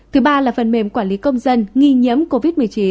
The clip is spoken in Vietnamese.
thứ ba là phần mềm quản lý công dân nghi nhiễm covid một mươi chín